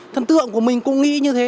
thần tượng của mình cũng nghĩ như thế